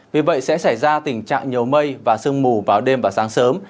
vì vậy sẽ xảy ra tình trạng nhiều mây và sương mù vào đêm và sáng sớm